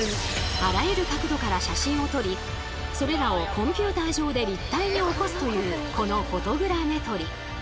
あらゆる角度から写真を撮りそれらをコンピューター上で立体に起こすというこのフォトグラメトリ。